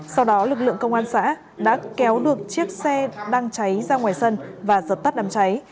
sau đó lực lượng công an xã đã kéo được chiếc xe đang cháy ra ngoài sân và dập tắt đám cháy